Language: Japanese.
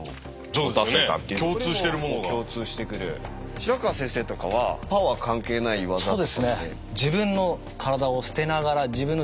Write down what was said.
白川先生とかはパワー関係ない技って。